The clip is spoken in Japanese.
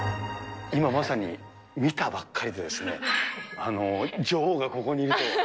今まさに見たばっかりでですね、女王がここにいると。